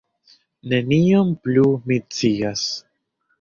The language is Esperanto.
Nenion plu mi scias.